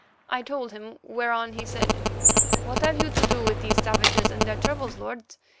I told him, whereon he said: "What have you to do with these savages and their troubles, lords?